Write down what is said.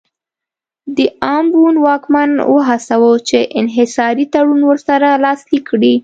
د امبون واکمن وهڅاوه چې انحصاري تړون ورسره لاسلیک کړي.